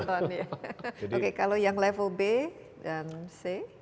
oke kalau yang level b dan c